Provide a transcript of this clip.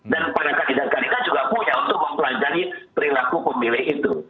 dan para kandidat kandidat juga punya untuk mempelajari perilaku pemilih itu